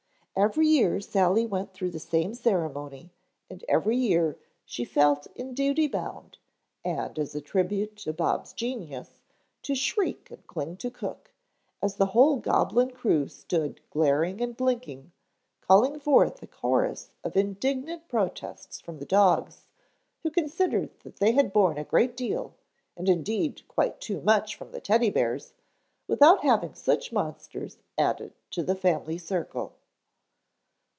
Every year Sally went through the same ceremony and every year she felt in duty bound, and as a tribute to Bob's genius, to shriek and cling to cook, as the whole goblin crew stood glaring and blinking, calling forth a chorus of indignant protests from the dogs, who considered that they had borne a great deal and indeed quite too much from the Teddy bears, without having such monsters added to the family circle.